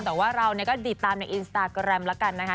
แต่ว่าเรานี่ก็ติดตามในอินสตาร์กรัมละกันนะคะ